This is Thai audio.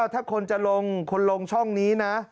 ถ้าคนลงช่องนี้นะ